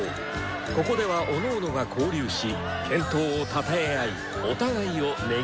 ここではおのおのが交流し健闘をたたえ合いお互いをねぎらい合う。